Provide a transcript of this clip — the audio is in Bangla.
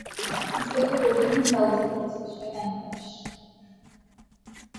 ইন্সপেক্টর অর্জুন তা উদ্ধার করছে, - শয়তানের দাস।